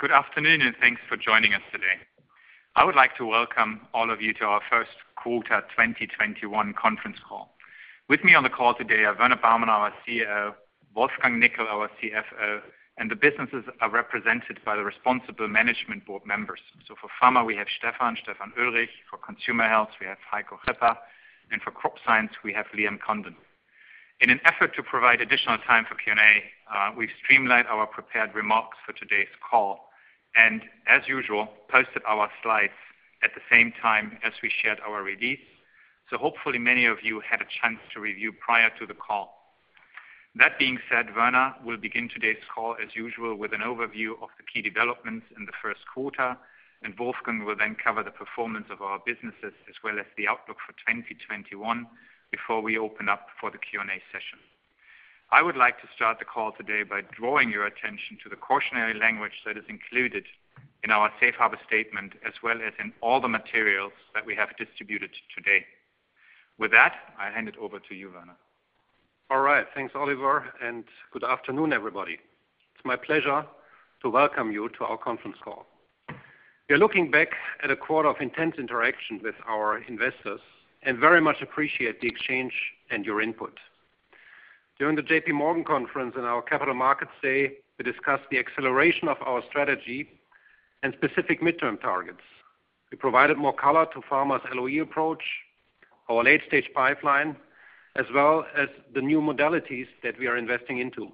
Good afternoon, and thanks for joining us today. I would like to welcome all of you to our First Quarter 2021 Conference Call. With me on the call today are Werner Baumann, our CEO, Wolfgang Nickl, our CFO, and the businesses are represented by the responsible Management Board Members. For Pharmaceuticals, we have Stefan Oelrich. For Consumer Health, we have Heiko Schipper. For Crop Science, we have Liam Condon. In an effort to provide additional time for Q&A, we've streamlined our prepared remarks for today's call, and as usual, posted our slides at the same time as we shared our release. Hopefully many of you had a chance to review prior to the call. That being said, Werner will begin today's call as usual with an overview of the key developments in the first quarter. Wolfgang will then cover the performance of our businesses as well as the outlook for 2021 before we open up for the Q&A session. I would like to start the call today by drawing your attention to the cautionary language that is included in our safe harbor statement as well as in all the materials that we have distributed today. With that, I hand it over to you, Werner. All right. Thanks, Oliver. Good afternoon, everybody. It's my pleasure to welcome you to our conference call. We are looking back at a quarter of intense interaction with our investors and very much appreciate the exchange and your input. During the JPMorgan conference and our Capital Markets Day, we discussed the acceleration of our strategy and specific midterm targets. We provided more color to Pharma's LoE approach, our late-stage pipeline, as well as the new modalities that we are investing into.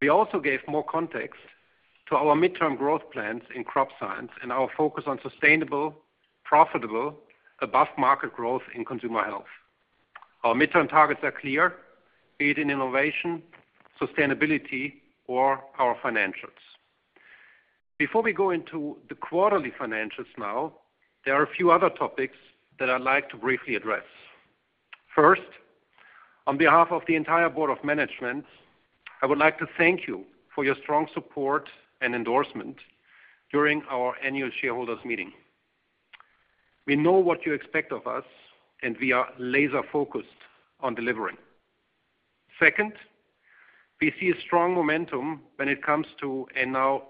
We also gave more context to our midterm growth plans in Crop Science and our focus on sustainable, profitable, above-market growth in Consumer Health. Our midterm targets are clear, be it in innovation, sustainability or our financials. Before we go into the quarterly financials now, there are a few other topics that I'd like to briefly address. On behalf of the entire Board of Management, I would like to thank you for your strong support and endorsement during our annual shareholders meeting. We know what you expect of us, and we are laser-focused on delivering. We see a strong momentum when it comes to a now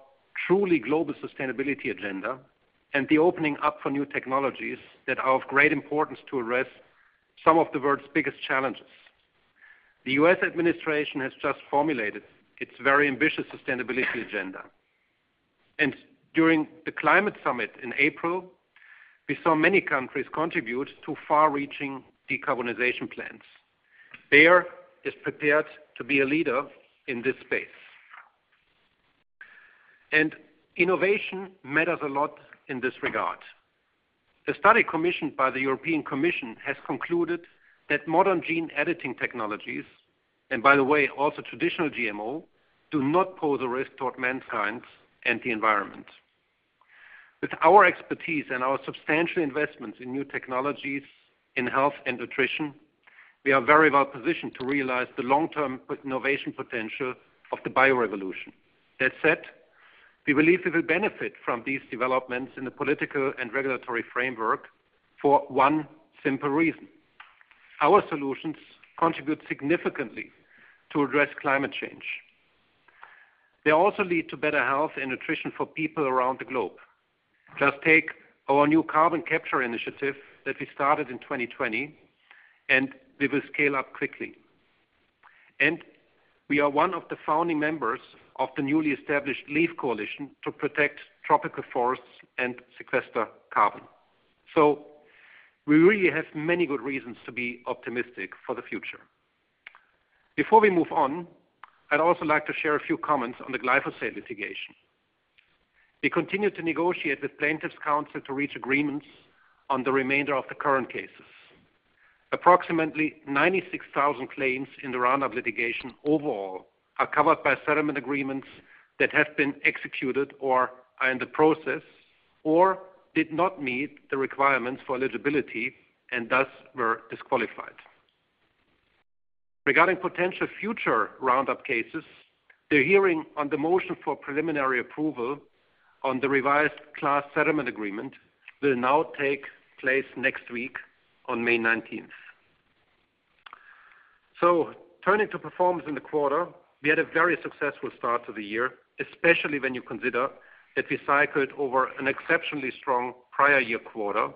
truly global sustainability agenda and the opening up for new technologies that are of great importance to address some of the world's biggest challenges. The U.S. administration has just formulated its very ambitious sustainability agenda. During the climate summit in April, we saw many countries contribute to far-reaching decarbonization plans. Bayer is prepared to be a leader in this space. Innovation matters a lot in this regard. A study commissioned by the European Commission has concluded that modern gene editing technologies, and by the way, also traditional GMO, do not pose a risk toward mankind and the environment. With our expertise and our substantial investments in new technologies in health and nutrition, we are very well positioned to realize the long-term innovation potential of the Bio Revolution. That said, we believe we will benefit from these developments in the political and regulatory framework for one simple reason. Our solutions contribute significantly to address climate change. They also lead to better health and nutrition for people around the globe. Just take our new carbon capture initiative that we started in 2020, and we will scale up quickly. We are one of the founding members of the newly established LEAF Coalition to protect tropical forests and sequester carbon. We really have many good reasons to be optimistic for the future. Before we move on, I'd also like to share a few comments on the glyphosate litigation. We continue to negotiate with plaintiffs' counsel to reach agreements on the remainder of the current cases. Approximately 96,000 claims in the Roundup litigation overall are covered by settlement agreements that have been executed or are in the process or did not meet the requirements for eligibility and thus were disqualified. Regarding potential future Roundup cases, the hearing on the motion for preliminary approval on the revised class settlement agreement will now take place next week on May 19th. Turning to performance in the quarter, we had a very successful start to the year, especially when you consider that we cycled over an exceptionally strong prior year quarter,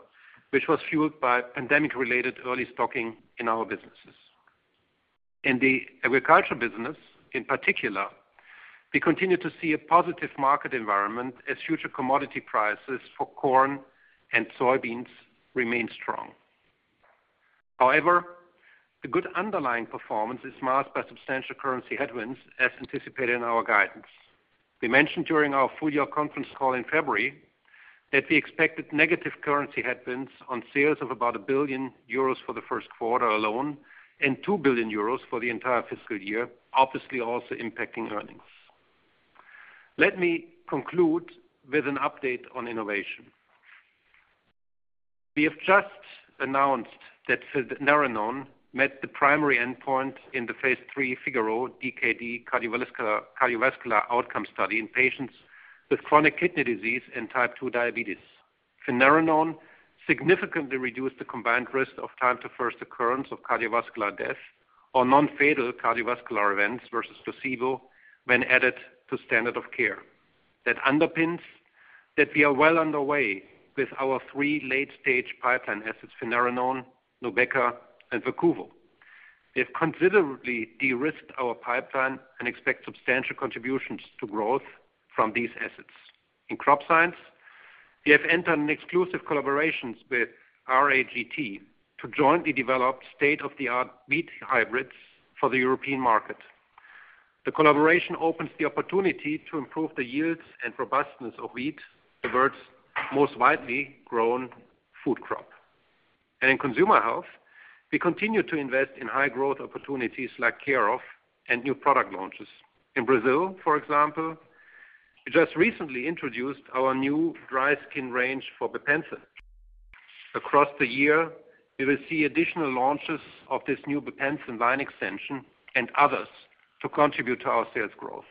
which was fueled by pandemic-related early stocking in our businesses. In the agriculture business, in particular, we continue to see a positive market environment as future commodity prices for corn and soybeans remain strong. However, the good underlying performance is masked by substantial currency headwinds as anticipated in our guidance. We mentioned during our full-year conference call in February that we expected negative currency headwinds on sales of about a billion euros for the first quarter alone and 2 billion euros for the entire fiscal year, obviously also impacting earnings. Let me conclude with an update on innovation. We have just announced that finerenone met the primary endpoint in the phase III FIGARO-DKD cardiovascular outcome study in patients with chronic kidney disease and type 2 diabetes. Finerenone significantly reduced the combined risk of time to first occurrence of cardiovascular death or non-fatal cardiovascular events versus placebo when added to standard of care. That underpins that we are well underway with our three late-stage pipeline assets, finerenone, Nubeqa, and Verquvo. We have considerably de-risked our pipeline and expect substantial contributions to growth from these assets. In Crop Science, we have entered an exclusive collaborations with RAGT to jointly develop state-of-the-art wheat hybrids for the European market. The collaboration opens the opportunity to improve the yields and robustness of wheat, the world's most widely grown food crop. In Consumer Health, we continue to invest in high growth opportunities like Care/of and new product launches. In Brazil, for example, we just recently introduced our new dry skin range for Bepanthen. Across the year, we will see additional launches of this new Bepanthen line extension and others to contribute to our sales growth.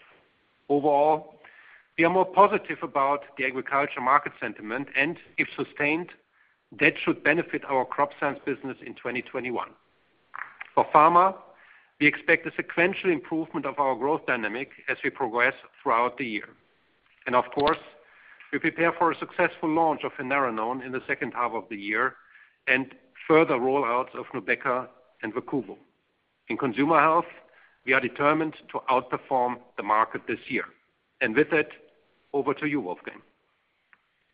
Overall, we are more positive about the agriculture market sentiment, and if sustained, that should benefit our Crop Science business in 2021. For Pharma, we expect a sequential improvement of our growth dynamic as we progress throughout the year. Of course, we prepare for a successful launch of finerenone in the second half of the year and further rollouts of Nubeqa and Verquvo. In Consumer Health, we are determined to outperform the market this year. With that, over to you, Wolfgang.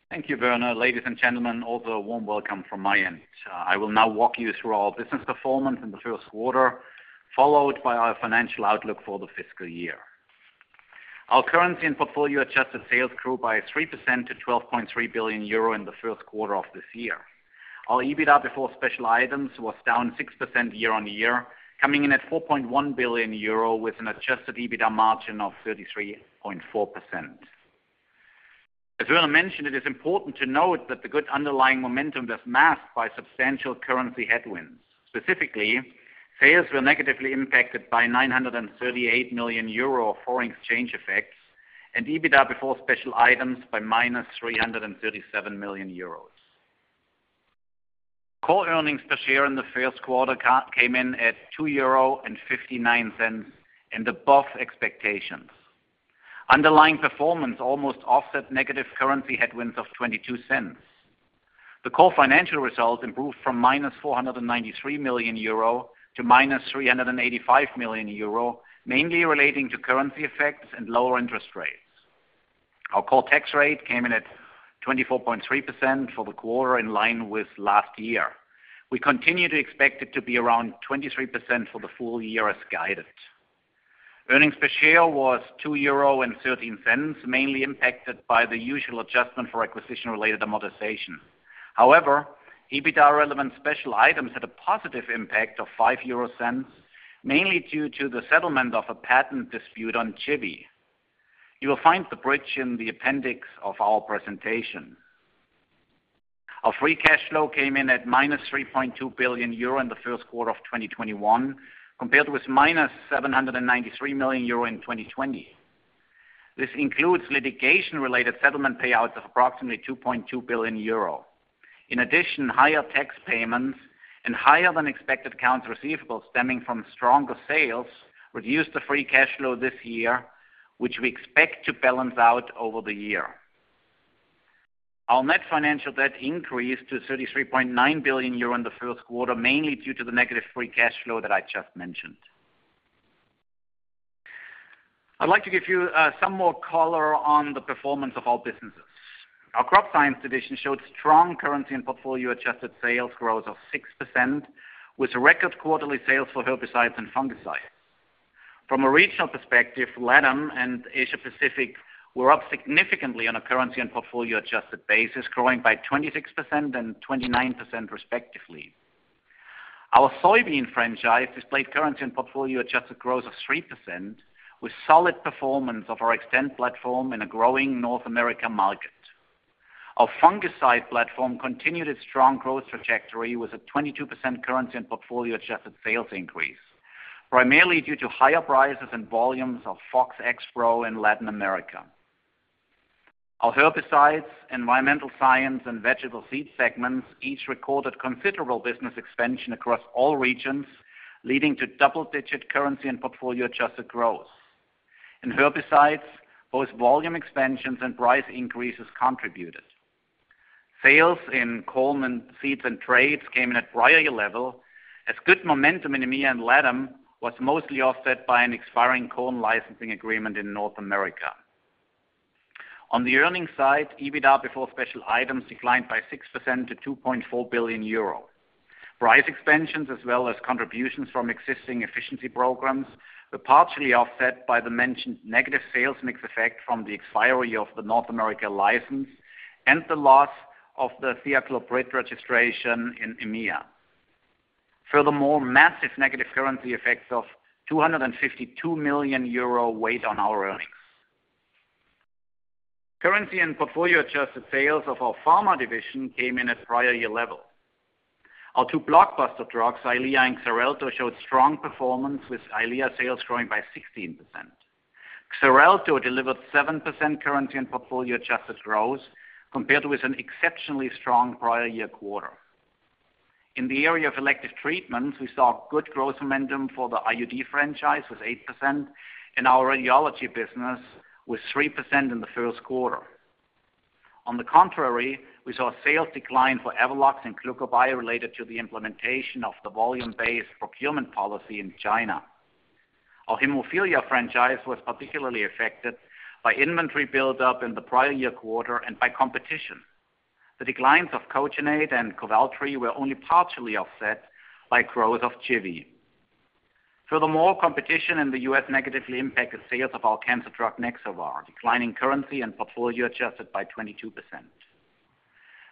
Thank you, Werner. Ladies and gentlemen, also a warm welcome from my end. I will now walk you through our business performance in the first quarter, followed by our financial outlook for the fiscal year. Our currency and portfolio adjusted sales grew by 3% to 12.3 billion euro in the first quarter of this year. Our EBITDA before special items was down 6% year-on-year, coming in at 4.1 billion euro with an adjusted EBITDA margin of 33.4%. As Werner mentioned, it is important to note that the good underlying momentum was masked by substantial currency headwinds. Specifically, sales were negatively impacted by 938 million euro of foreign exchange effects and EBITDA before special items by -337 million euros. Core earnings per share in the first quarter came in at 2.59 euro and above expectations. Underlying performance almost offset negative currency headwinds of 0.22. The core financial result improved from -493 million euro to -385 million euro, mainly relating to currency effects and lower interest rates. Our core tax rate came in at 24.3% for the quarter, in line with last year. We continue to expect it to be around 23% for the full year as guided. Earnings per share was 2.13 euro, mainly impacted by the usual adjustment for acquisition-related amortization. However, EBITDA relevant special items had a positive impact of 0.05, mainly due to the settlement of a patent dispute on Cipro. You will find the bridge in the appendix of our presentation. Our free cash flow came in at -3.2 billion euro in the first quarter of 2021, compared with -793 million euro in 2020. This includes litigation-related settlement payouts of approximately 2.2 billion euro. In addition, higher tax payments and higher-than-expected accounts receivable stemming from stronger sales reduced the free cash flow this year, which we expect to balance out over the year. Our net financial debt increased to 33.9 billion euro in the first quarter, mainly due to the negative free cash flow that I just mentioned. I'd like to give you some more color on the performance of our businesses. Our Crop Science division showed strong currency and portfolio adjusted sales growth of 6%, with record quarterly sales for herbicides and fungicides. From a regional perspective, LATAM and Asia Pacific were up significantly on a currency and portfolio adjusted basis, growing by 26% and 29% respectively. Our soybean franchise displayed currency and portfolio adjusted growth of 3%, with solid performance of our Xtend platform in a growing North America market. Our fungicide platform continued its strong growth trajectory with a 22% currency and portfolio adjusted sales increase, primarily due to higher prices and volumes of Fox Xpro in Latin America. Our herbicides, environmental science, and vegetable seed segments each recorded considerable business expansion across all regions, leading to double-digit currency and portfolio adjusted growth. In herbicides, both volume expansions and price increases contributed. Sales in corn and seeds and traits came in at prior year level as good momentum in EMEA and LATAM was mostly offset by an expiring corn licensing agreement in North America. On the earnings side, EBITDA before special items declined by 6% to 2.4 billion euros. Price expansions as well as contributions from existing efficiency programs were partially offset by the mentioned negative sales mix effect from the expiry of the North America license and the loss of the thiacloprid registration in EMEA. Furthermore, massive negative currency effects of 252 million euro weighed on our earnings. Currency and portfolio adjusted sales of our Pharmaceuticals division came in at prior year level. Our two blockbuster drugs, Eylea and Xarelto, showed strong performance, with Eylea sales growing by 16%. Xarelto delivered 7% currency and portfolio adjusted growth compared with an exceptionally strong prior year quarter. In the area of elective treatments, we saw good growth momentum for the IUD franchise with 8%, and our radiology business with 3% in the first quarter. On the contrary, we saw a sales decline for Avelox and Glucobay related to the implementation of the volume-based procurement policy in China. Our hemophilia franchise was particularly affected by inventory buildup in the prior-year quarter and by competition. The declines of Kogenate and Kovaltry were only partially offset by growth of Jivi. Competition in the U.S. negatively impacted sales of our cancer drug, Nexavar, declining currency and portfolio adjusted by 22%.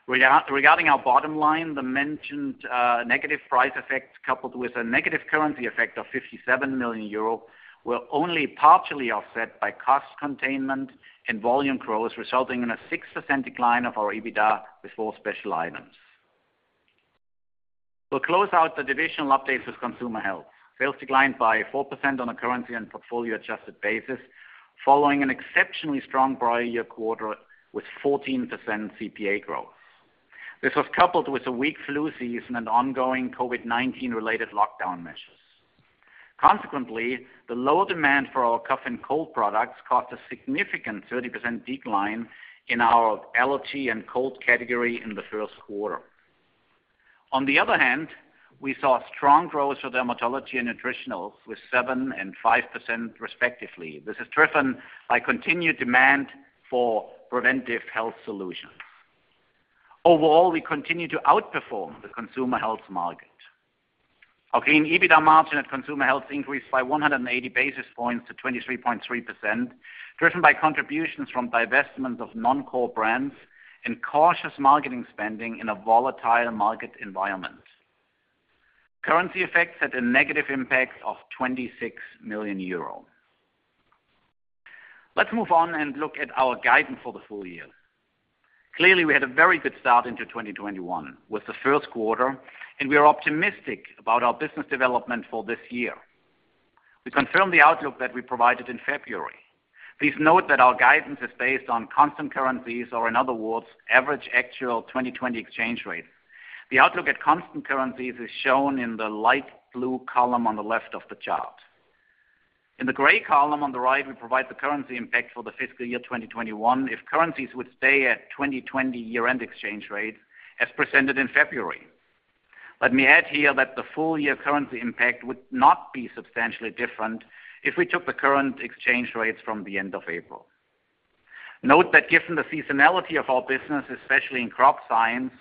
Regarding our bottom line the mentioned negative price effects, coupled with a negative currency effect of 57 million euro, were only partially offset by cost containment and volume growth, resulting in a 6% decline of our EBITDA before special items. We'll close out the divisional updates with Consumer Health. Sales declined by 4% on a currency and portfolio adjusted basis, following an exceptionally strong prior year quarter with 14% CPA growth. This was coupled with a weak flu season and ongoing COVID-19 related lockdown measures. The lower demand for our cough and cold products caused a significant 30% decline in our allergy and cold category in the first quarter. On the other hand we saw strong growth for dermatology and nutritionals with 7% and 5% respectively. This is driven by continued demand for preventive health solutions. Overall, we continue to outperform the Consumer Health market. Our [gain EBITDA margin] at Consumer Health increased by 180 basis points to 23.3%, driven by contributions from divestments of non-core brands and cautious marketing spending in a volatile market environment. Currency effects had a negative impact of 26 million euro. Let's move on and look at our guidance for the full year. Clearly, we had a very good start into 2021 with the first quarter, and we are optimistic about our business development for this year. We confirm the outlook that we provided in February. Please note that our guidance is based on constant currencies or in other words, average actual 2020 exchange rates. The outlook at constant currencies is shown in the light blue column on the left of the chart. In the gray column on the right, we provide the currency impact for the fiscal year 2021 if currencies would stay at 2020 year-end exchange rate as presented in February. Let me add here that the full year currency impact would not be substantially different if we took the current exchange rates from the end of April. Note that given the seasonality of our business, especially in Crop Science,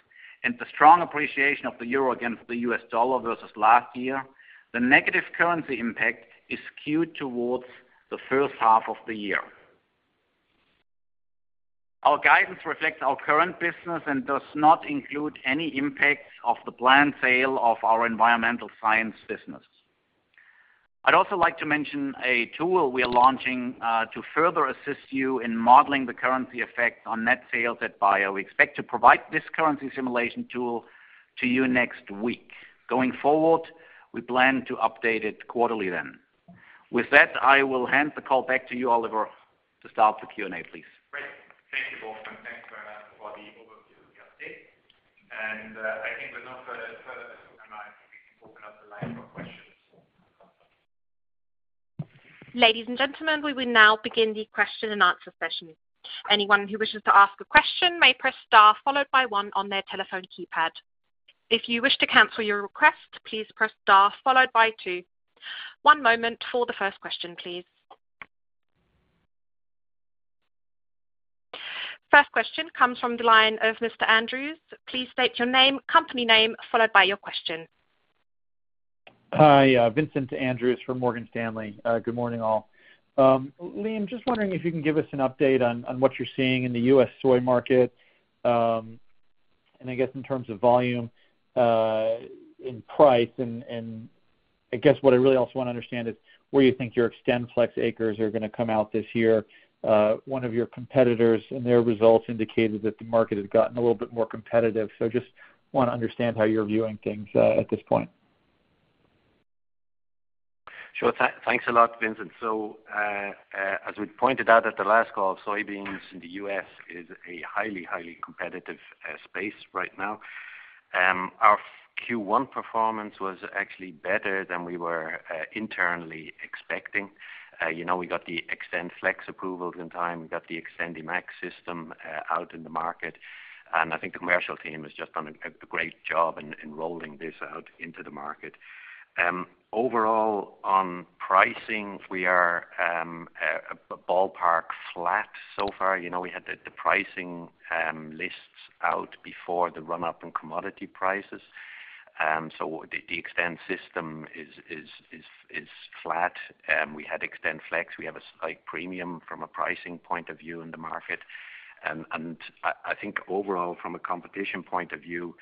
and the strong appreciation of the euro against the U.S. dollar versus last year, the negative currency impact is skewed towards the first half of the year. Our guidance reflects our current business and does not include any impact of the planned sale of our environmental science business. I'd also like to mention a tool we are launching to further assist you in modeling the currency effect on net sales at Bayer. We expect to provide this currency simulation tool to you next week. Going forward, we plan to update it quarterly then. With that, I will hand the call back to you, Oliver, to start the Q&A, please. Great. Thank you, Wolfgang. Thanks very much for the overview of the update. I think with no further ado, I think we can open up the line for questions. Ladies and gentlemen, we will now begin the question and answer session. Anyone who wishes to ask a question may press star followed by one on their telephone keypad. If you wish to cancel your request, please press star followed by two. One moment for the first question, please. First question comes from the line of Mr. Andrews. Please state your name, company name, followed by your question. Hi, Vincent Andrews from Morgan Stanley. Good morning, all. Liam, just wondering if you can give us an update on what you're seeing in the U.S. soy market, I guess in terms of volume, in price, I guess what I really also want to understand is where you think your XtendFlex acres are going to come out this year. One of your competitors in their results indicated that the market has gotten a little bit more competitive. Just want to understand how you're viewing things at this point. Sure. Thanks a lot, Vincent. As we pointed out at the last call, soybeans in the U.S. is a highly competitive space right now. Our Q1 performance was actually better than we were internally expecting. We got the XtendFlex approval in time. We got the XtendiMax system out in the market. I think the commercial team has just done a great job in rolling this out into the market. Overall, on pricing, we are ballpark flat so far. We had the pricing lists out before the run-up in commodity prices. The Xtend system is flat. We had XtendFlex. We have a slight premium from a pricing point of view in the market. I think overall, from a competition point of view,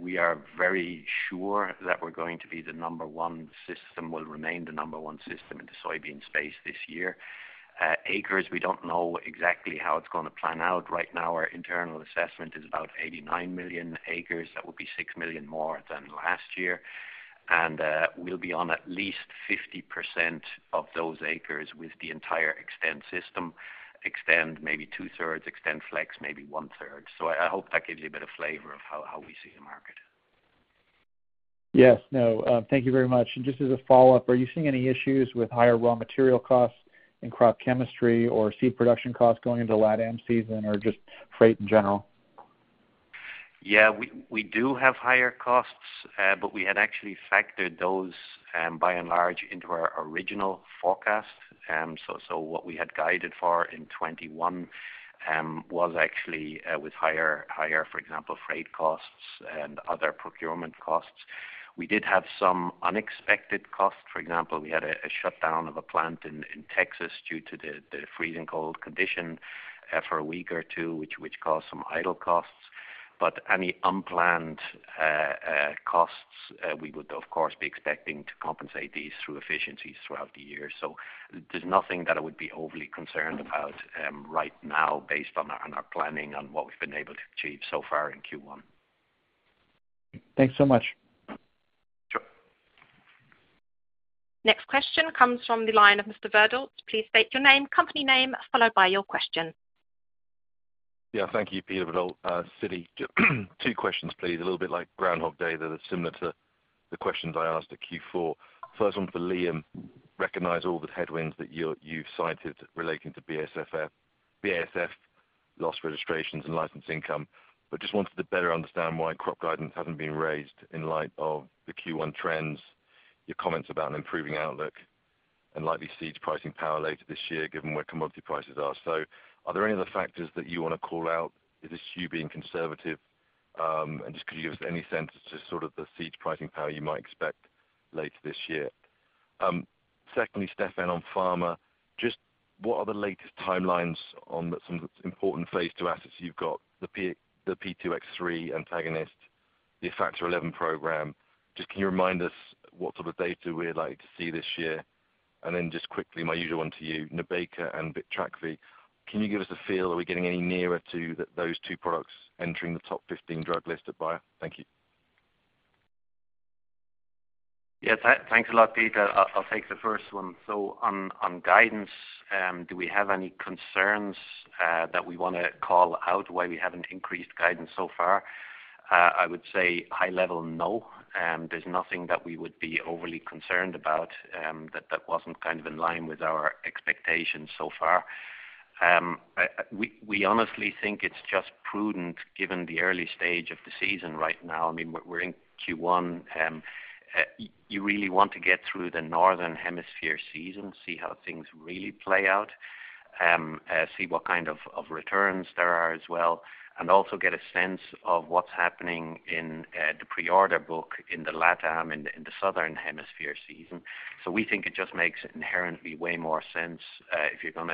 we are very sure that we're going to be the number one system, will remain the number one system in the soybean space this year. Acres, we don't know exactly how it's going to plan out. Right now, our internal assessment is about 89 million acres. That would be 6 million more than last year. We'll be on at least 50% of those acres with the entire Xtend system, Xtend maybe two-thirds, XtendFlex, maybe one-third. I hope that gives you a bit of flavor of how we see the market. Yes. Thank you very much. Just as a follow-up, are you seeing any issues with higher raw material costs in crop chemistry or seed production costs going into the LATAM season, or just freight in general? We do have higher costs, but we had actually factored those by and large into our original forecast. What we had guided for in 2021 was actually with higher, for example, freight costs and other procurement costs. We did have some unexpected costs. For example, we had a shutdown of a plant in Texas due to the freezing cold condition for a week or two, which caused some idle costs. Any unplanned costs, we would, of course, be expecting to compensate these through efficiencies throughout the year. There's nothing that I would be overly concerned about right now based on our planning and what we've been able to achieve so far in Q1. Thanks so much. Sure. Next question comes from the line of Mr. Verdult. Please state your name, company name, followed by your question. Thank you, Peter Verdult, Citi. Two questions, please. A little bit like Groundhog Day. They're similar to the questions I asked at Q4. First one for Liam. Just wanted to better understand why crop guidance hasn't been raised in light of the Q1 trends, your comments about an improving outlook, and likely seeds pricing power later this year, given where commodity prices are. Are there any other factors that you want to call out? Is this you being conservative? Just could you give us any sense as to sort of the seeds pricing power you might expect later this year? Secondly, Stefan, on Pharma, just what are the latest timelines on some of the important phase II assets you've got, the P2X3 antagonist, the Factor XI program? Can you remind us what sort of data we'd like to see this year? Just quickly, my usual one to you, Nubeqa and Vitrakvi. Can you give us a feel, are we getting any nearer to those two products entering the top 15 drug list at Bayer? Thank you. Yes. Thanks a lot, Peter. I'll take the first one. On guidance, do we have any concerns that we want to call out why we haven't increased guidance so far? I would say high level, no. There's nothing that we would be overly concerned about that wasn't kind of in line with our expectations so far. We honestly think it's just prudent given the early stage of the season right now. We're in Q1. You really want to get through the Northern Hemisphere season, see how things really play out, see what kind of returns there are as well, and also get a sense of what's happening in the pre-order book in the LATAM, in the Southern Hemisphere season. We think it just makes inherently way more sense, if you're going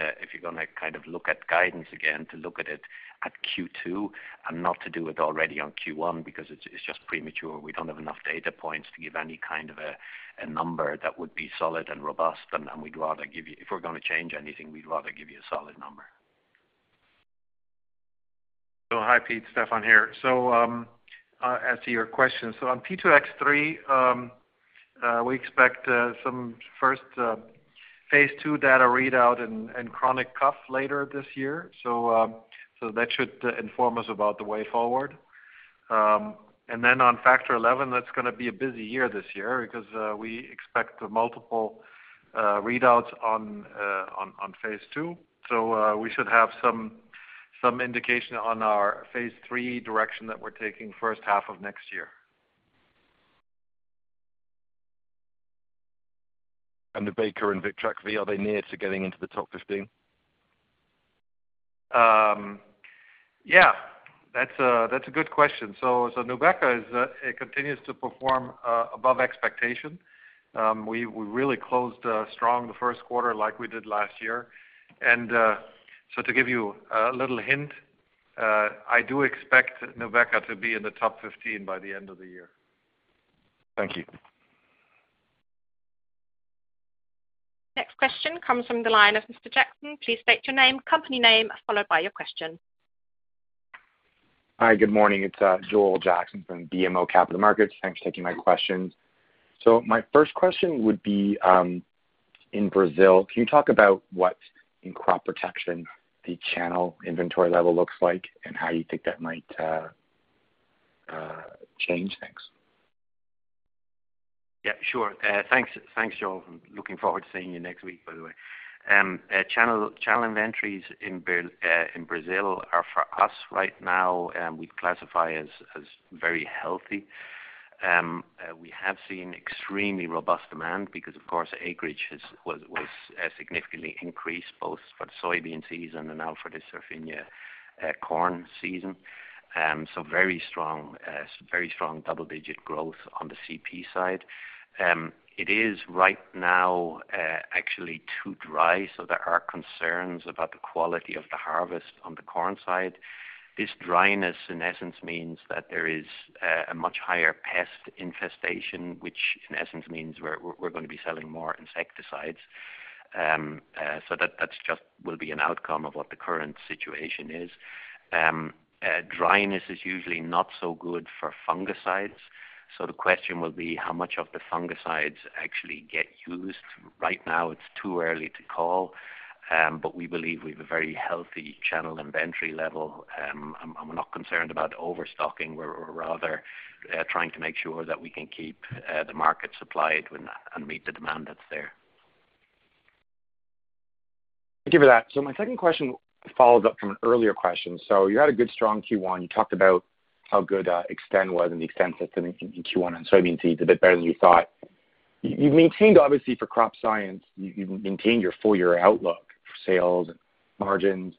to kind of look at guidance again, to look at it at Q2 and not to do it already on Q1 because it's just premature. We don't have enough data points to give any kind of a number that would be solid and robust. If we're going to change anything, we'd rather give you a solid number. Hi, Pete, Stefan here. As to your question, so on P2X3, we expect some first phase II data readout in chronic cough later this year. That should inform us about the way forward. On Factor XI, that's going to be a busy year this year because we expect multiple readouts on phase II, so we should have some indication on our phase III direction that we're taking first half of next year. Nubeqa and Vitrakvi, are they near to getting into the top 15? Yeah. That's a good question. Nubeqa continues to perform above expectation. We really closed strong the first quarter like we did last year. To give you a little hint, I do expect Nubeqa to be in the top 15 by the end of the year. Thank you. Next question comes from the line of Mr. Jackson. Please state your name, company name, followed by your question. Hi, good morning. It's Joel Jackson from BMO Capital Markets. Thanks for taking my questions. My first question would be, in Brazil, can you talk about what, in crop protection, the channel inventory level looks like and how you think that might change things? Yeah, sure. Thanks, Joel, and looking forward to seeing you next week, by the way. Channel inventories in Brazil are for us right now, we'd classify as very healthy. We have seen extremely robust demand because, of course, acreage was significantly increased both for the soybean season and now for the safrinha corn season. Very strong double-digit growth on the CP side. It is right now actually too dry, so there are concerns about the quality of the harvest on the corn side. This dryness, in essence, means that there is a much higher pest infestation, which in essence means we're going to be selling more insecticides. That just will be an outcome of what the current situation is. Dryness is usually not so good for fungicides. The question will be how much of the fungicides actually get used. Right now it's too early to call. We believe we've a very healthy channel inventory level. I'm not concerned about overstocking. We're rather trying to make sure that we can keep the market supplied and meet the demand that's there. Thank you for that. My second question follows up from an earlier question. You had a good strong Q1. You talked about how good Xtend was and the Xtend system in Q1 and soybean seeds did better than you thought. You've maintained, obviously for Crop Science, you've maintained your full year outlook for sales and margins.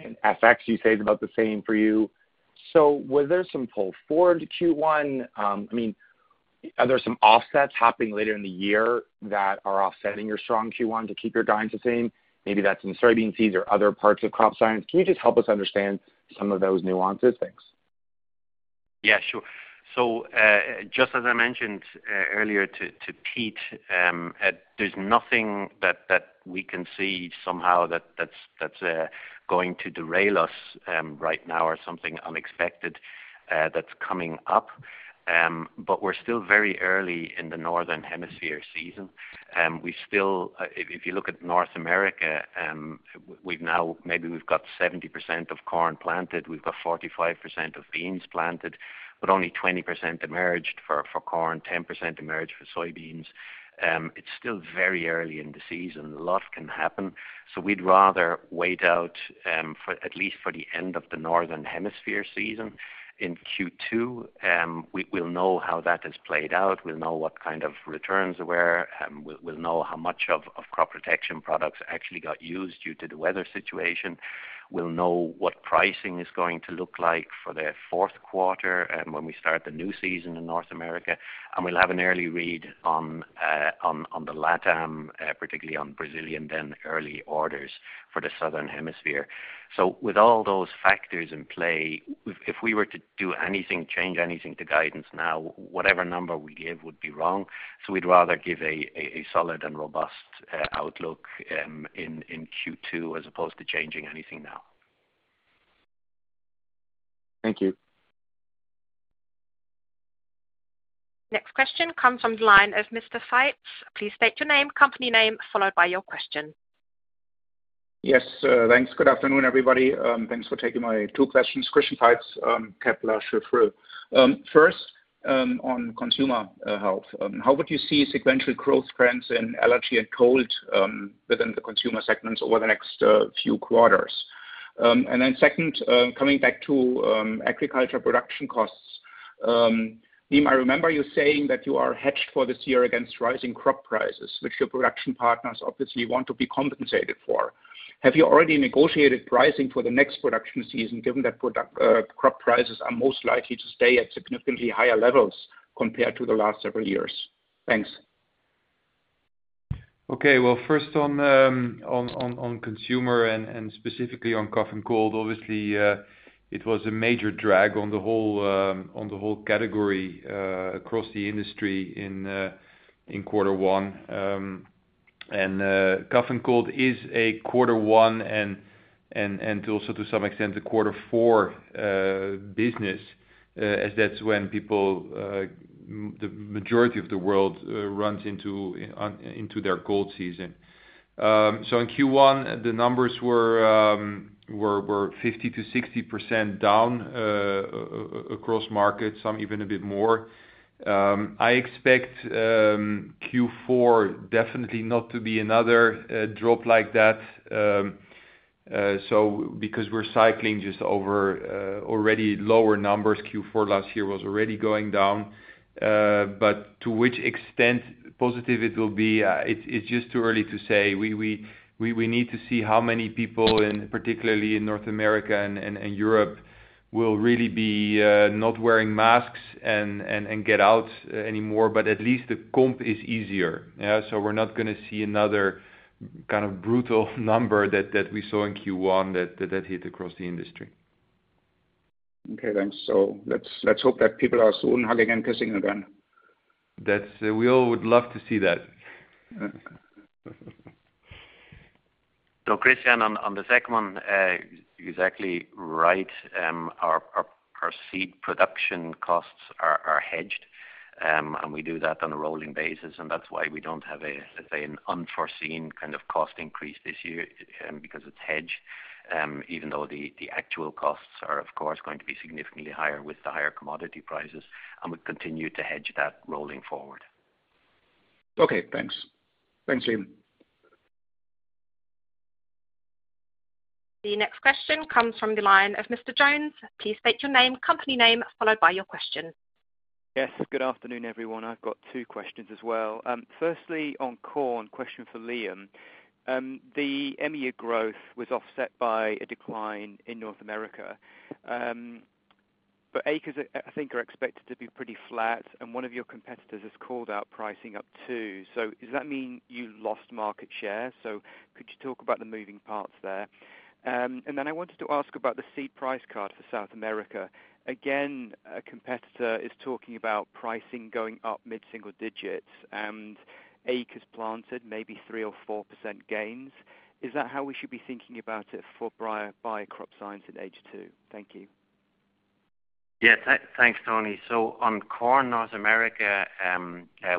In FX, you say it's about the same for you. Was there some pull forward Q1? Are there some offsets happening later in the year that are offsetting your strong Q1 to keep your guidance the same? Maybe that's in soybean seeds or other parts of Crop Science. Can you just help us understand some of those nuances? Thanks. Yeah, sure. Just as I mentioned earlier to Peter, there's nothing that we can see somehow that's going to derail us right now or something unexpected that's coming up. We're still very early in the northern hemisphere season. If you look at North America, maybe we've got 70% of corn planted. We've got 45% of beans planted, but only 20% emerged for corn, 10% emerged for soybeans. It's still very early in the season. A lot can happen. We'd rather wait out at least for the end of the northern hemisphere season in Q2. We'll know how that has played out. We'll know what kind of returns there were, and we'll know how much of Crop Protection products actually got used due to the weather situation. We'll know what pricing is going to look like for the fourth quarter and when we start the new season in North America, and we'll have an early read on the LATAM, particularly on Brazilian, then early orders for the southern hemisphere. With all those factors in play, if we were to do anything, change anything to guidance now, whatever number we give would be wrong. We'd rather give a solid and robust outlook in Q2 as opposed to changing anything now. Thank you. Next question comes from the line of Mr. Faitz. Please state your name, company name, followed by your question. Yes, thanks. Good afternoon, everybody. Thanks for taking my two questions. Christian Faitz, Kepler Cheuvreux. First, on Consumer Health. How would you see sequential growth trends in allergy and cold within the consumer segments over the next few quarters? Then second, coming back to agriculture production costs. Liam, I remember you saying that you are hedged for this year against rising crop prices, which your production partners obviously want to be compensated for. Have you already negotiated pricing for the next production season given that crop prices are most likely to stay at significantly higher levels compared to the last several years? Thanks. Okay, well, first on Consumer and specifically on cough and cold, obviously, it was a major drag on the whole category across the industry in quarter one. Cough and cold is a quarter one and also to some extent a quarter four business, as that's when the majority of the world runs into their cold season. In Q1, the numbers were 50%-60% down across markets, some even a bit more. I expect Q4 definitely not to be another drop like that, because we're cycling just over already lower numbers. Q4 last year was already going down. To which extent positive it will be, it's just too early to say. We need to see how many people, particularly in North America and Europe, will really be not wearing masks and get out anymore, but at least the comp is easier. We're not going to see another kind of brutal number that we saw in Q1 that hit across the industry. Okay, thanks. Let's hope that people are soon hugging and kissing again. We all would love to see that. Christian, on the second one, you're exactly right. Our seed production costs are hedged. We do that on a rolling basis, and that's why we don't have, let's say, an unforeseen kind of cost increase this year because it's hedged. Even though the actual costs are, of course, going to be significantly higher with the higher commodity prices, and we continue to hedge that rolling forward. Okay, thanks. Thanks, Liam. The next question comes from the line of Mr. Jones. Please state your name, company name, followed by your question. Yes, good afternoon, everyone. I've got two questions as well. Firstly, on corn, question for Liam. The EMEA growth was offset by a decline in North America. Acres, I think are expected to be pretty flat, and one of your competitors has called out pricing up too. Does that mean you lost market share? Could you talk about the moving parts there? I wanted to ask about the seed price card for South America. Again, a competitor is talking about pricing going up mid-single digits, and acres planted maybe 3% or 4% gains. Is that how we should be thinking about it for Bayer Crop Science in H2? Thank you. Yes. Thanks, Tony. On corn North America,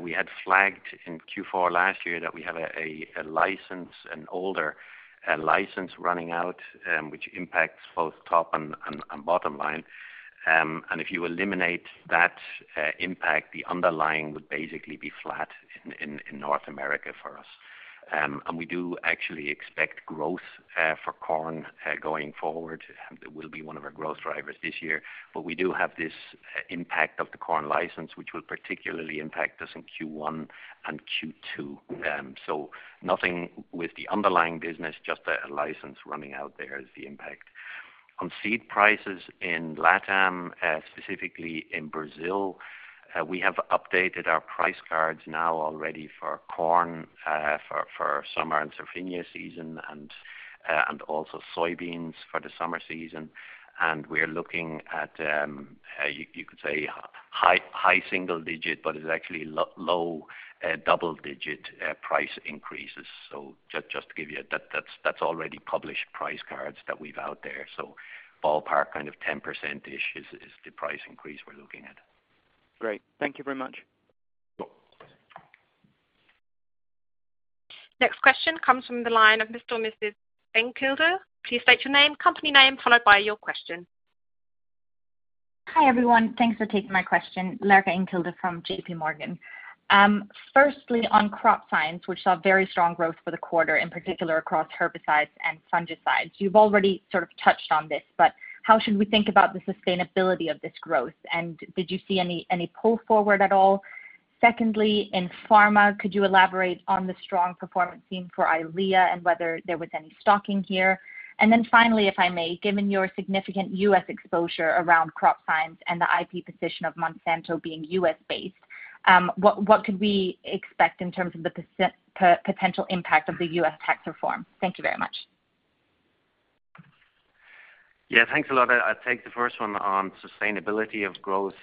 we had flagged in Q4 last year that we have an older license running out, which impacts both top and bottom line. If you eliminate that impact, the underlying would basically be flat in North America for us. We do actually expect growth for corn going forward. It will be one of our growth drivers this year, but we do have this impact of the corn license, which will particularly impact us in Q1 and Q2. Nothing with the underlying business, just a license running out there is the impact. On seed prices in LATAM, specifically in Brazil, we have updated our price cards now already for corn, for summer and safrinha season and also soybeans for the summer season. We're looking at, you could say high single digit, but it's actually low double-digit price increases. Just to give you, that's already published price cards that we've out there. Ballpark 10%-ish is the price increase we're looking at. Great. Thank you very much. Sure. Next question comes from the line of Mr. or Mrs. Engkilde. Please state your name, company name, followed by your question. Hi, everyone. Thanks for taking my question. Laerke Engkilde from JPMorgan. Firstly, on Crop Science, which saw very strong growth for the quarter, in particular across herbicides and fungicides. You've already sort of touched on this, how should we think about the sustainability of this growth, and did you see any pull forward at all? Secondly, in Pharmaceuticals, could you elaborate on the strong performance seen for Eylea and whether there was any stocking here? Finally, if I may, given your significant U.S. exposure around Crop Science and the IP position of Monsanto being U.S.-based, what could we expect in terms of the potential impact of the U.S. tax reform? Thank you very much. Yeah. Thanks a lot. I'll take the first one on sustainability of growth,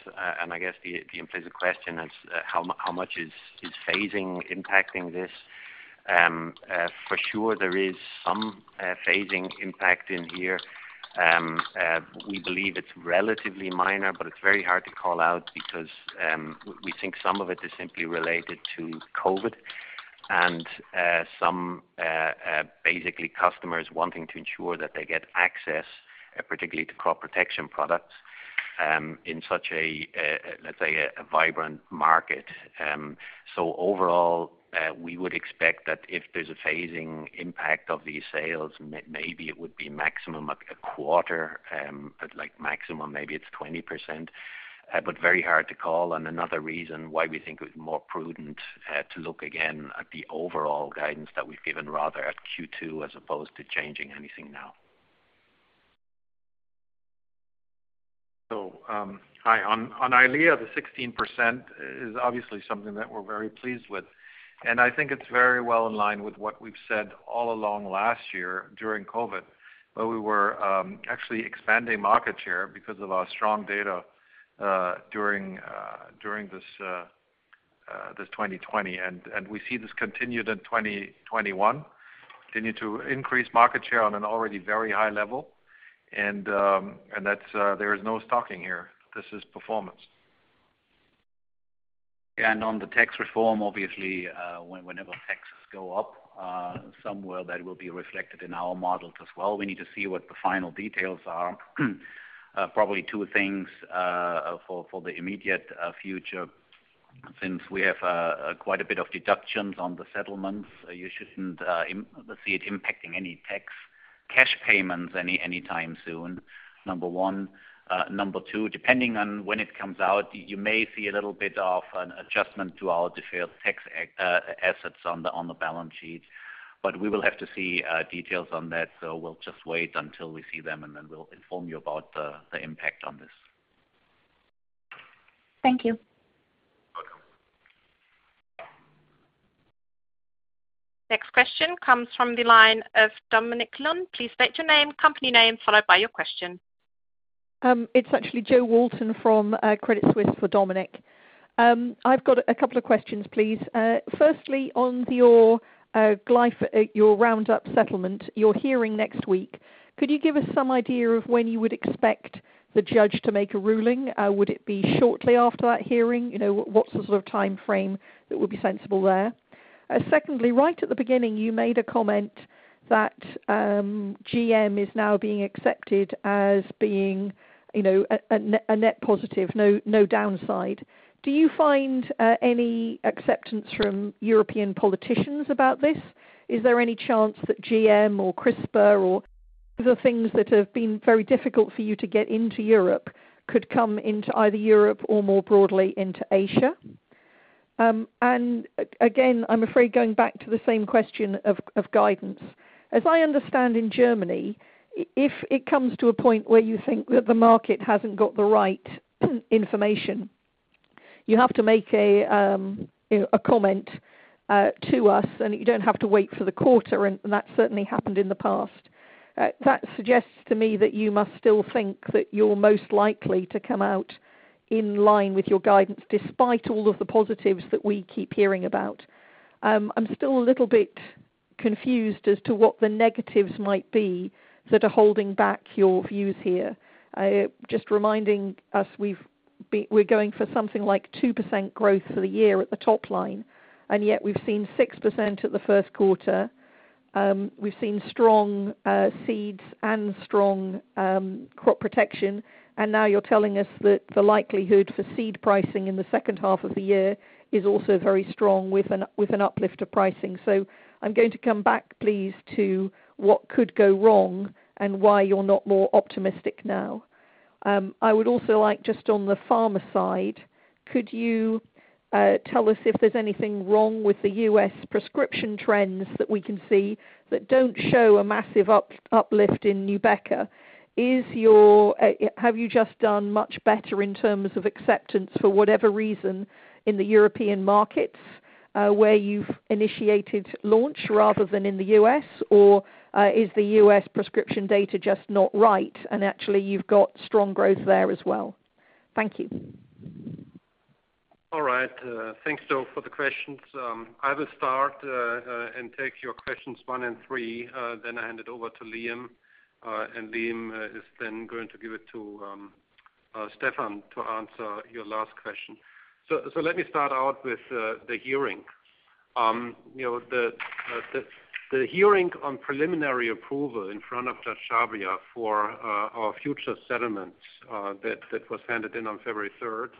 and I guess the implicit question is how much is phasing impacting this? For sure, there is some phasing impact in here. We believe it's relatively minor, but it's very hard to call out because we think some of it is simply related to COVID and some basically customers wanting to ensure that they get access, particularly to crop protection products, in such a, let's say, a vibrant market. Overall, we would expect that if there's a phasing impact of these sales, maybe it would be maximum a quarter, at maximum maybe it's 20%, but very hard to call. Another reason why we think it was more prudent to look again at the overall guidance that we've given rather at Q2 as opposed to changing anything now. Hi. On Eylea, the 16% is obviously something that we're very pleased with. I think it's very well in line with what we've said all along last year during COVID, where we were actually expanding market share because of our strong data during this 2020. We see this continued in 2021, continue to increase market share on an already very high level. There is no stocking here. This is performance. Yeah, on the tax reform, obviously, whenever taxes go up somewhere, that will be reflected in our models as well. We need to see what the final details are. Probably two things for the immediate future, since we have quite a bit of deductions on the settlements, you shouldn't see it impacting any tax cash payments anytime soon, number one. Number two, depending on when it comes out, you may see a little bit of an adjustment to our deferred tax assets on the balance sheet, we will have to see details on that. We'll just wait until we see them, and then we'll inform you about the impact on this. Thank you. Welcome. Next question comes from the line of Dominic Lunn. Please state your name, company name, followed by your question. It's actually Jo Walton from Credit Suisse for Dominic. I've got a couple of questions, please. Firstly, on your Roundup settlement, your hearing next week, could you give us some idea of when you would expect the judge to make a ruling? Would it be shortly after that hearing? What sort of timeframe that would be sensible there? Secondly, right at the beginning, you made a comment that GM is now being accepted as being a net positive, no downside. Do you find any acceptance from European politicians about this? Is there any chance that GM or CRISPR or the things that have been very difficult for you to get into Europe could come into either Europe or more broadly into Asia? Again, I'm afraid going back to the same question of guidance? As I understand in Germany, if it comes to a point where you think that the market hasn't got the right information. You have to make a comment to us, and you don't have to wait for the quarter, and that certainly happened in the past. That suggests to me that you must still think that you're most likely to come out in line with your guidance, despite all of the positives that we keep hearing about. I'm still a little bit confused as to what the negatives might be that are holding back your views here. Just reminding us, we're going for something like 2% growth for the year at the top line, and yet we've seen 6% at the first quarter. We've seen strong seeds and strong crop protection. Now you're telling us that the likelihood for seed pricing in the second half of the year is also very strong with an uplift of pricing. I'm going to come back, please, to what could go wrong and why you're not more optimistic now. I would also like just on the Pharma side, could you tell us if there's anything wrong with the U.S. prescription trends that we can see that don't show a massive uplift in Nubeqa? Have you just done much better in terms of acceptance for whatever reason in the European markets, where you've initiated launch rather than in the U.S., or is the U.S. prescription data just not right and actually you've got strong growth there as well? Thank you. All right. Thanks, Jo, for the questions. I will start and take your questions one and three, then I hand it over to Liam. Liam is then going to give it to Stefan to answer your last question. Let me start out with the hearing. The hearing on preliminary approval in front of Judge Vince Chhabria for our future settlements that was handed in on February 3rd,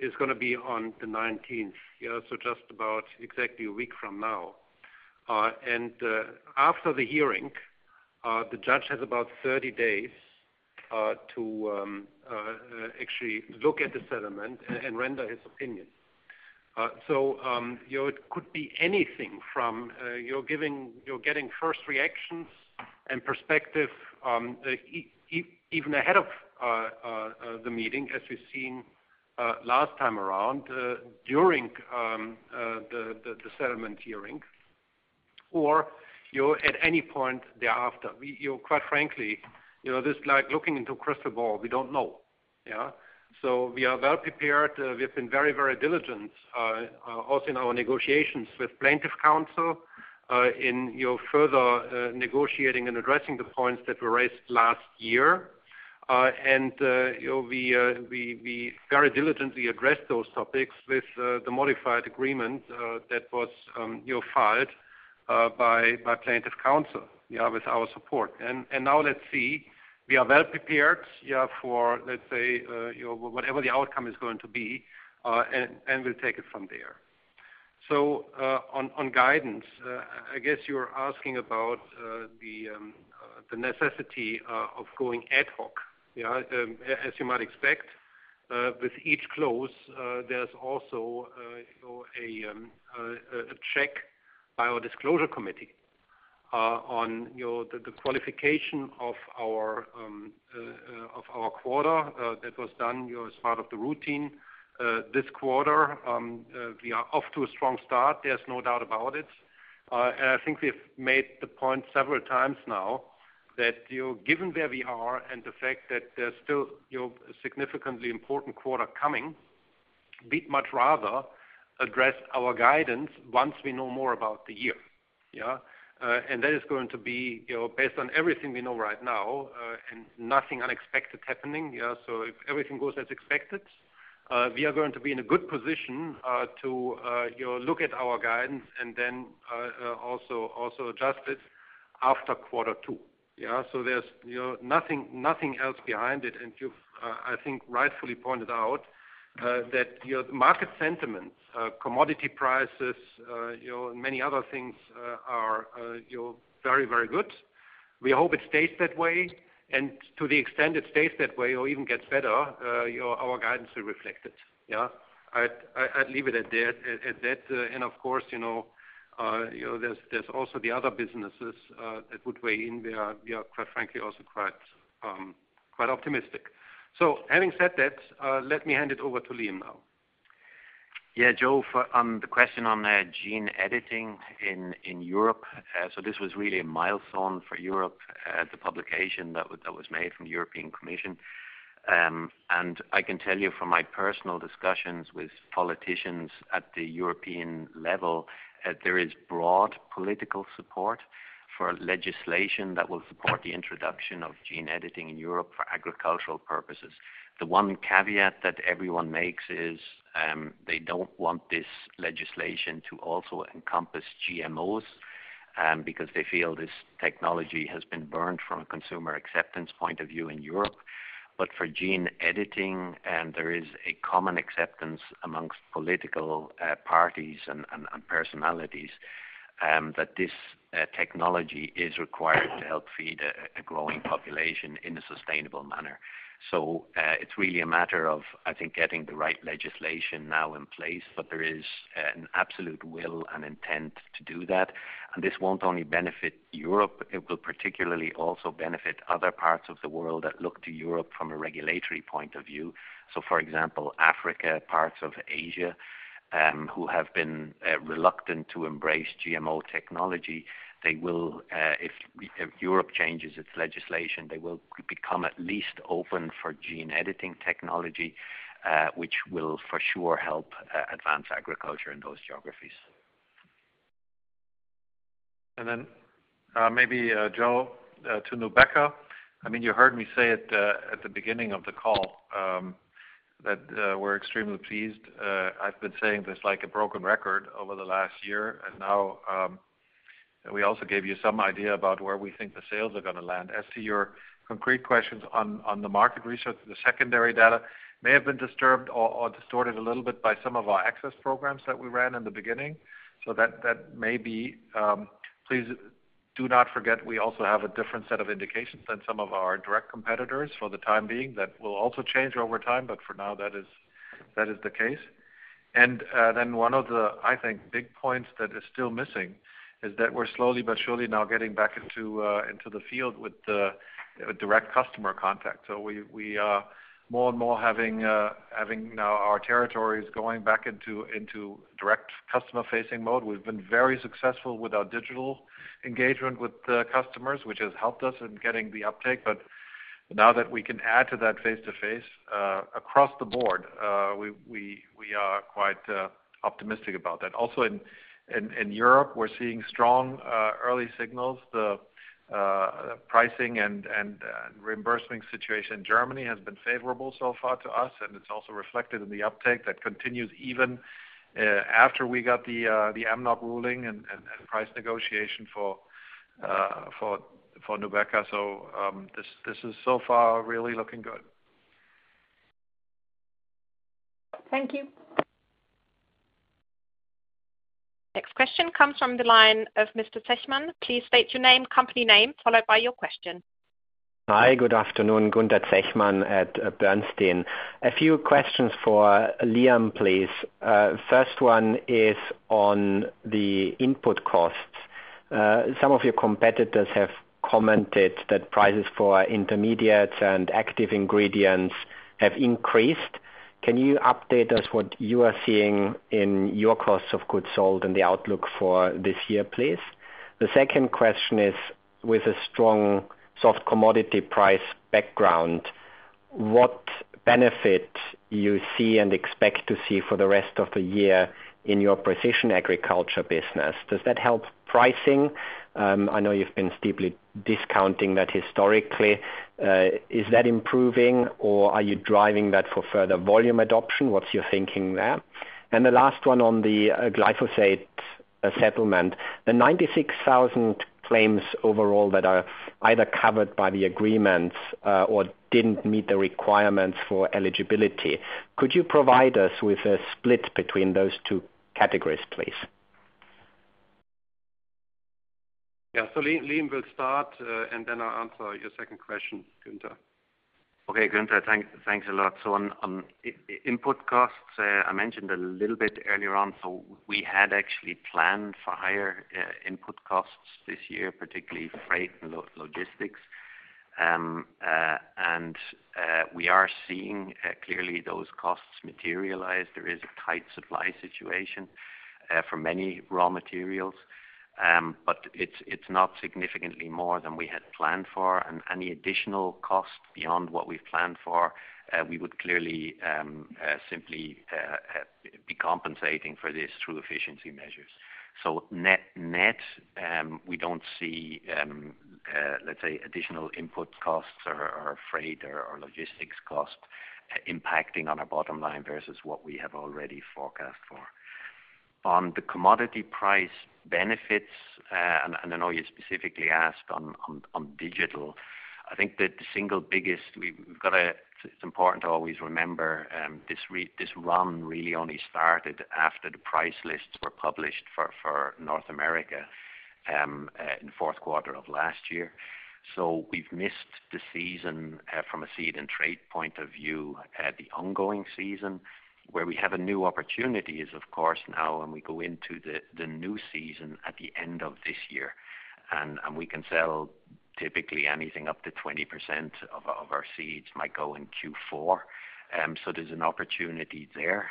is going to be on the 19th. Just about exactly a week from now. After the hearing, the judge has about 30 days to actually look at the settlement and render his opinion. It could be anything from you're getting first reactions and perspective, even ahead of the meeting, as we've seen last time around, during the settlement hearing or at any point thereafter. Quite frankly, this is like looking into a crystal ball. We don't know. We are well prepared. We have been very, very diligent, also in our negotiations with plaintiff counsel, in further negotiating and addressing the points that were raised last year. We very diligently addressed those topics with the modified agreement that was filed by plaintiff counsel with our support. Now let's see, we are well prepared for, let's say whatever the outcome is going to be, and we'll take it from there. On guidance, I guess you're asking about the necessity of going ad hoc. As you might expect, with each close, there's also a check by our disclosure committee on the qualification of our quarter that was done as part of the routine. This quarter, we are off to a strong start. There's no doubt about it. I think we've made the point several times now that given where we are and the fact that there's still a significantly important quarter coming, we'd much rather address our guidance once we know more about the year. That is going to be based on everything we know right now and nothing unexpected happening. If everything goes as expected, we are going to be in a good position to look at our guidance and then also adjust it after quarter two. There's nothing else behind it. You've, I think, rightfully pointed out that market sentiments, commodity prices, and many other things are very, very good. We hope it stays that way, and to the extent it stays that way or even gets better, our guidance will reflect it. I'd leave it at that. Of course, there's also the other businesses that would weigh in there. We are, quite frankly, also quite optimistic. Having said that, let me hand it over to Liam now. Yeah, Jo, on the question on gene editing in Europe. This was really a milestone for Europe as a publication that was made from the European Commission. I can tell you from my personal discussions with politicians at the European level, that there is broad political support for legislation that will support the introduction of gene editing in Europe for agricultural purposes. The one caveat that everyone makes is, they don't want this legislation to also encompass GMOs, because they feel this technology has been burned from a consumer acceptance point of view in Europe. For gene editing, there is a common acceptance amongst political parties and personalities that this technology is required to help feed a growing population in a sustainable manner. It's really a matter of, I think, getting the right legislation now in place. There is an absolute will and intent to do that. This won't only benefit Europe, it will particularly also benefit other parts of the world that look to Europe from a regulatory point of view. For example, Africa, parts of Asia, who have been reluctant to embrace GMO technology, if Europe changes its legislation, they will become at least open for gene editing technology, which will for sure help advance agriculture in those geographies. Maybe Jo, to Nubeqa. You heard me say it at the beginning of the call that we're extremely pleased. I've been saying this like a broken record over the last year, we also gave you some idea about where we think the sales are going to land. As to your concrete questions on the market research, the secondary data may have been disturbed or distorted a little bit by some of our access programs that we ran in the beginning. That may be. Please do not forget, we also have a different set of indications than some of our direct competitors for the time being. That will also change over time, for now, that is the case. One of the, I think, big points that is still missing is that we're slowly but surely now getting back into the field with the direct customer contact. We are more and more having now our territories going back into direct customer-facing mode. We've been very successful with our digital engagement with the customers, which has helped us in getting the uptake. Now that we can add to that face-to-face across the board, we are quite optimistic about that. In Europe, we're seeing strong early signals. The pricing and reimbursing situation in Germany has been favorable so far to us, and it's also reflected in the uptake that continues even after we got the AMNOG ruling and price negotiation for Nubeqa. This is so far really looking good. Thank you. Next question comes from the line of Mr. Zechmann. Please state your name, company name, followed by your question. Hi, good afternoon, Gunther Zechmann at Bernstein. A few questions for Liam, please. First one is on the input costs. Some of your competitors have commented that prices for intermediates and active ingredients have increased. Can you update us what you are seeing in your cost of goods sold and the outlook for this year, please? The second question is, with a strong soft commodity price background, what benefit you see and expect to see for the rest of the year in your precision agriculture business? Does that help pricing? I know you've been steeply discounting that historically. Is that improving or are you driving that for further volume adoption? What's your thinking there? The last one on the glyphosate settlement. The 96,000 claims overall that are either covered by the agreements or didn't meet the requirements for eligibility. Could you provide us with a split between those two categories, please? Yeah. Liam will start, and then I'll answer your second question, Gunther. Okay, Gunther, thanks a lot. On input costs, I mentioned a little bit earlier on, so we had actually planned for higher input costs this year, particularly freight and logistics. We are seeing clearly those costs materialize. There is a tight supply situation for many raw materials, but it's not significantly more than we had planned for. Any additional cost beyond what we've planned for, we would clearly simply be compensating for this through efficiency measures. Net, we don't see, let's say, additional input costs or freight or logistics cost impacting on our bottom line versus what we have already forecast for. On the commodity price benefits, and I know you specifically asked on digital. I think that the single biggest, it's important to always remember, this run really only started after the price lists were published for North America in fourth quarter of last year. We've missed the season from a seed and trait point of view, the ongoing season. Where we have a new opportunity is, of course, now when we go into the new season at the end of this year, and we can sell typically anything up to 20% of our seeds might go in Q4. There's an opportunity there.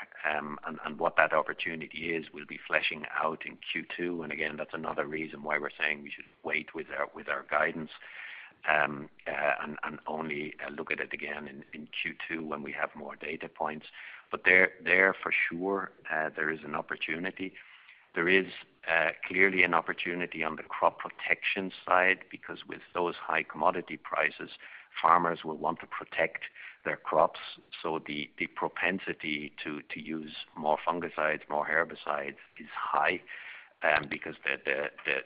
What that opportunity is, we'll be fleshing out in Q2. Again, that's another reason why we're saying we should wait with our guidance, and only look at it again in Q2 when we have more data points. There for sure, there is an opportunity. There is clearly an opportunity on the crop protection side, because with those high commodity prices, farmers will want to protect their crops. The propensity to use more fungicides, more herbicides is high, because the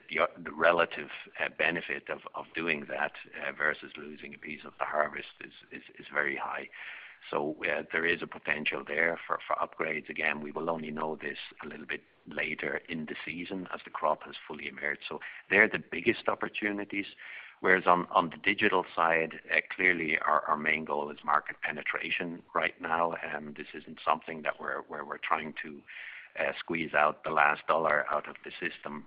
relative benefit of doing that versus losing a piece of the harvest is very high. There is a potential there for upgrades. Again, we will only know this a little bit later in the season as the crop has fully emerged. They're the biggest opportunities. Whereas on the digital side, clearly our main goal is market penetration right now. This isn't something where we're trying to squeeze out the last dollar out of the system.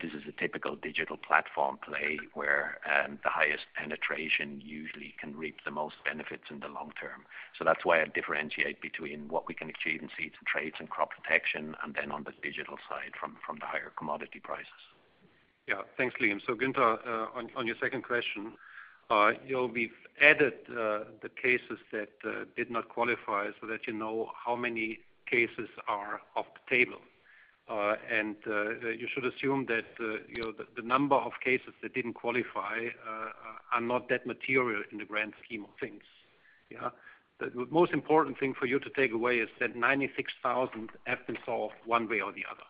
This is a typical digital platform play where the highest penetration usually can reap the most benefits in the long term. That's why I differentiate between what we can achieve in seeds and trades and crop protection, and then on the digital side from the higher commodity prices. Yeah. Thanks, Liam. Gunther, on your second question, we've added the cases that did not qualify so that you know how many cases are off the table. You should assume that the number of cases that didn't qualify are not that material in the grand scheme of things. Yeah. The most important thing for you to take away is that 96,000 have been solved one way or the other.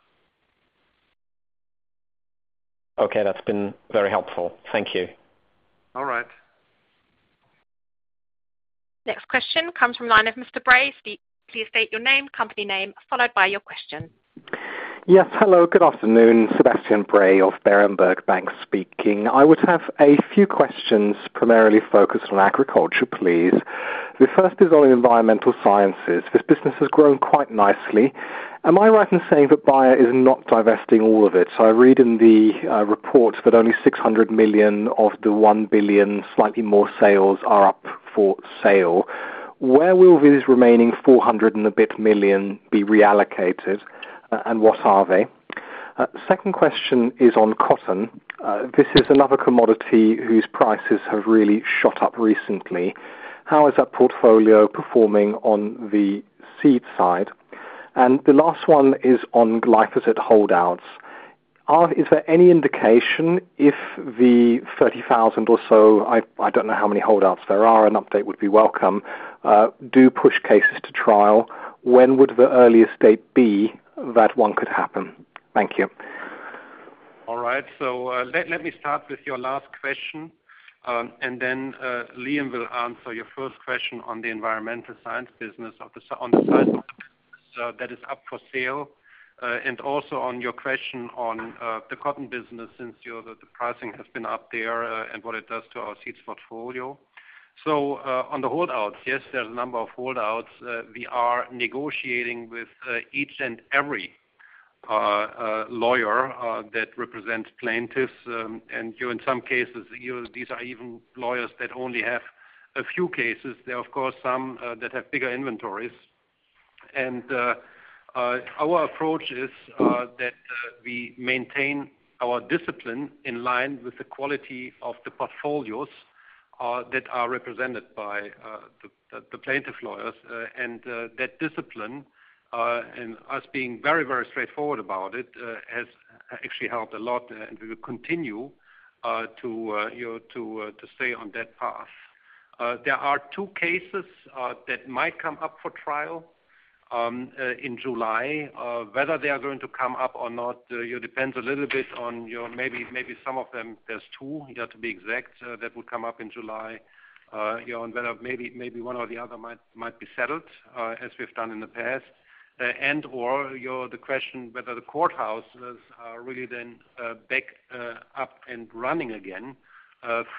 Okay. That's been very helpful. Thank you. All right. Next question comes from the line of Mr. Bray. Please state your name, company name, followed by your question. Yes. Hello. Good afternoon. Sebastian Bray of Berenberg Bank speaking. I would have a few questions primarily focused on agriculture, please. The first is on environmental sciences. This business has grown quite nicely. Am I right in saying that Bayer is not divesting all of it? I read in the report that only 600 million of the 1 billion, slightly more sales are up for sale. Where will these remaining 400 million and a bit be reallocated? What are they? Second question is on cotton. This is another commodity whose prices have really shot up recently. How is that portfolio performing on the seed side? The last one is on glyphosate holdouts. Is there any indication if the 30,000 or so, I don't know how many holdouts there are, an update would be welcome, do push cases to trial? When would the earliest date be that one could happen? Thank you. All right. Let me start with your last question, and then Liam will answer your first question on the environmental science business on the size of it that is up for sale. Also on your question on the cotton business, since the pricing has been up there and what it does to our seeds portfolio. On the holdouts, yes, there's a number of holdouts. We are negotiating with each and every lawyer that represents plaintiffs, and in some cases, these are even lawyers that only have a few cases. There are, of course, some that have bigger inventories. Our approach is that we maintain our discipline in line with the quality of the portfolios that are represented by the plaintiff lawyers, and that discipline, and us being very straightforward about it, has actually helped a lot, and we will continue to stay on that path. There are two cases that might come up for trial in July. Whether they are going to come up or not depends a little bit on maybe some of them, there's two, to be exact, that would come up in July. Whether maybe one or the other might be settled as we've done in the past, and/or the question whether the courthouses are really then back up and running again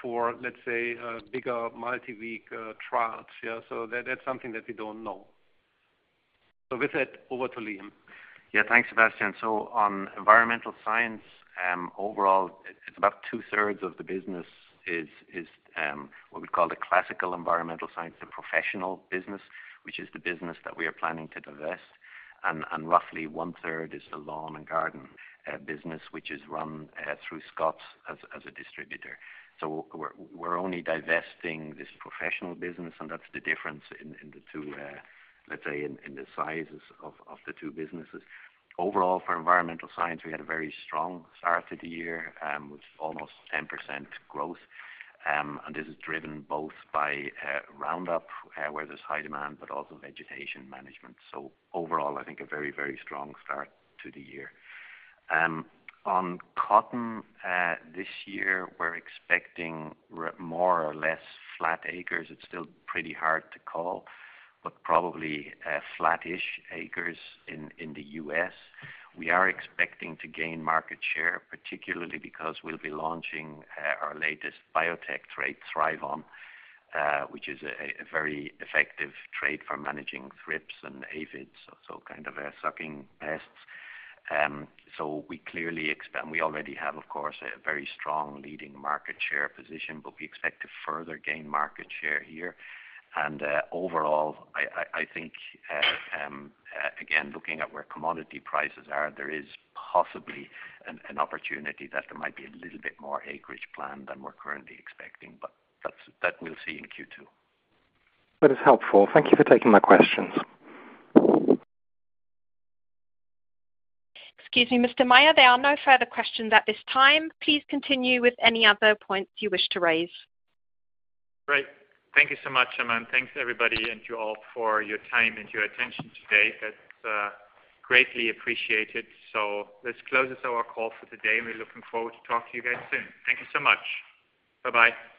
for, let's say, bigger multi-week trials. Yeah. That's something that we don't know. With that, over to Liam. Yeah. Thanks, Sebastian. On Environmental Science, overall, it's about two-thirds of the business is what we call the classical Environmental Science, the professional business, which is the business that we are planning to divest. Roughly one-third is the lawn and garden business, which is run through Scotts as a distributor. We're only divesting this professional business, and that's the difference in the two, let's say, in the sizes of the two businesses. For Environmental Science, we had a very strong start to the year, with almost 10% growth. This is driven both by Roundup, where there's high demand, but also vegetation management. Overall, I think a very strong start to the year. On cotton, this year, we're expecting more or less flat acres. It's still pretty hard to call, but probably flattish acres in the U.S. We are expecting to gain market share, particularly because we'll be launching our latest biotech trait, ThryvOn, which is a very effective trait for managing thrips and aphids, so kind of sucking pests. We clearly expand. We already have, of course, a very strong leading market share position, but we expect to further gain market share here. Overall, I think, again, looking at where commodity prices are, there is possibly an opportunity that there might be a little bit more acreage planned than we're currently expecting. That we'll see in Q2. That is helpful. Thank you for taking my questions. Excuse me, Mr. Maier, there are no further questions at this time. Please continue with any other points you wish to raise. Great. Thank you so much, Aman. Thanks, everybody, and to all for your time and your attention today. That is greatly appreciated. This closes our call for today, and we are looking forward to talking to you guys soon. Thank you so much. Bye-bye.